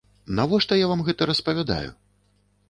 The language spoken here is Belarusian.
Навошта я вам гэта распавядаю?